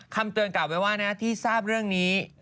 คำเตือนกล่าวไว้ว่านะที่ทราบเรื่องนี้